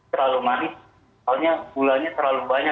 salah satunya mungkin baklava ya